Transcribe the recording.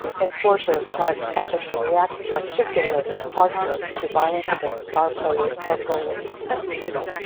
Enforcers are expected to react particularly harshly to violence against star players or goalies.